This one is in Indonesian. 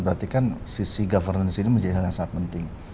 berarti kan sisi governance ini menjadi hal yang sangat penting